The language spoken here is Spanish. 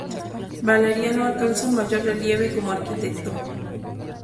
Valeriano alcanza un mayor relieve como arquitecto.